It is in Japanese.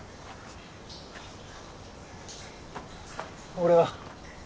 俺は。